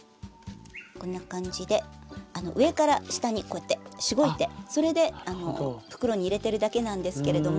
こんな感じで上から下にこうやってしごいてそれで袋に入れてるだけなんですけれども。